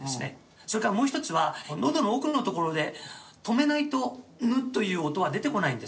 それからもう１つはのどの奥のところで止めないと「ぬ」という音は出てこないんですね。